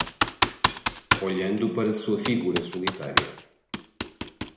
Olhando para sua figura solitária